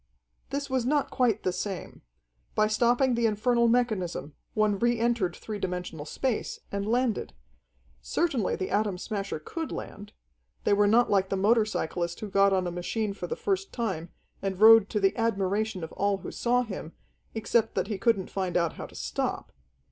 This was not quite the same. By stopping the infernal mechanism, one re entered three dimensional space, and landed. Certainly the Atom Smasher could land. They were not like the motorcyclist who got on a machine for the first time, and rode to the admiration of all who saw him, except that he couldn't find out how to stop.